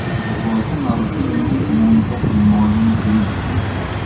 Во повеќе наврати му имам помогнато околу наоѓање клиенти.